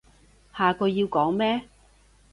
下句要講咩？